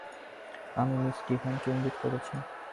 আমি মিস ডিভাইনকে ইঙ্গিত করেছি।